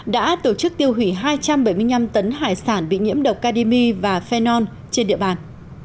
đã tổ chức tiêu hủy hai trăm bảy mươi năm tấn hải sản bị nhiễm độc caymi và phenol trên địa bàn